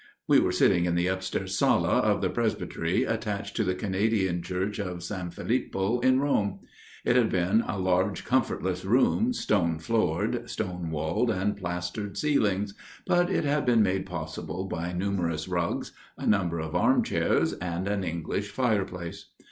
We were sitting in the upstairs sala of the presbytery attached to the Canadian Church of S. Filippo in Rome. It had been a large comfort less room, stone floored, stone walled and plaster ceilinged, but it had been made possible by numerous rugs, a number of armchairs and an English fireplace.